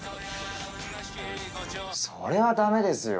それはだめですよ。